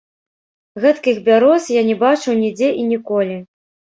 Гэткіх бяроз я не бачыў нідзе і ніколі.